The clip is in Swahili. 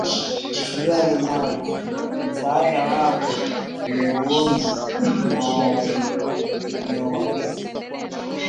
Usijali Mai, msaada wako nimeuona na nimeuafiki